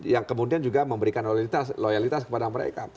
yang kemudian juga memberikan loyalitas kepada mereka